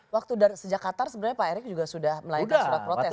waktu sejak qatar sebenarnya pak erick juga sudah melayangkan surat protes